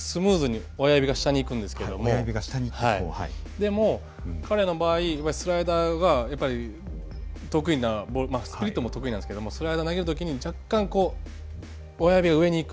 でも彼の場合スライダーがやっぱり得意なボールスプリットも得意なんですけどもスライダー投げる時に若干こう親指が上に行く。